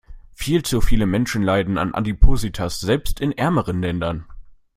Viel zu viele Menschen leiden an Adipositas, selbst in ärmeren Ländern.